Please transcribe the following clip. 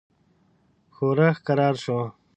ښورښ کرار شو.